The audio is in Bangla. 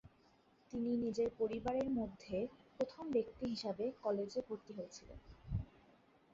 তিনি নিজের পরিবারের মধ্যে প্রথম ব্যক্তি হিসাবে কলেজে ভর্তি হয়েছিলেন।